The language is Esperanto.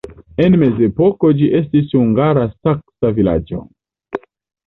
En mezepoko ĝi estis hungara-saksa vilaĝo.